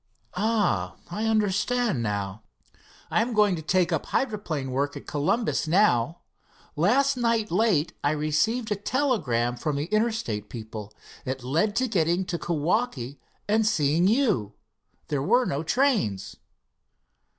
"Ah, I understand now." "I am going to take up hydroplane work at Columbus, now. Last night late I received a telegram from the Interstate people. It led to getting to Kewaukee and seeing you. There were no trains."